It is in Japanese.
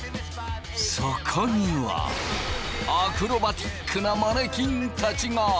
そこにはアクロバティックなマネキンたちが！